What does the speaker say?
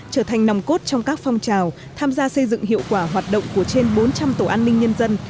trở thành nòng cốt trong các phong trào tham gia xây dựng hiệu quả hoạt động của trên bốn trăm linh tổ an ninh nhân dân